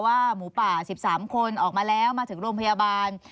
หมูป่า๑๓คนออกมาแล้วมาถึงโรงพยาบาล